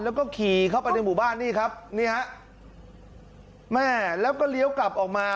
แล้วก็ขี่เข้าไปในหมู่บ้านนี่ครับนี่ฮะแม่แล้วก็เลี้ยวกลับออกมา